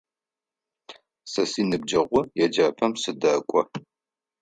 Сэ синыбджэгъу еджапӏэм сыдэкӏо.